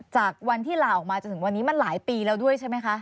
จากวันที่ลาออกมาจนถึงวันนี้มันหลายปีแล้วด้วยใช่ไหมคะ